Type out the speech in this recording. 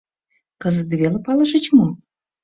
— Кызыт веле палышыч мо?